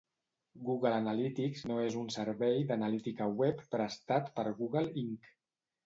Google Analytics no és un servei d'analítica web prestat per Google, Inc.